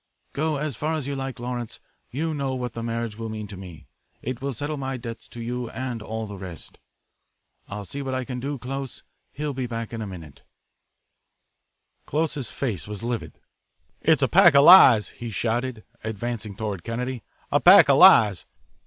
"'Go as far as you like, Lawrence. You know what the marriage will mean to me. It will settle my debts to you and all the rest.' "'I'll see what I can do, Close. He'll be back in a moment.'" Close's face was livid. "It's a pack of lies!" he shouted, advancing toward Kennedy, "a pack of lies!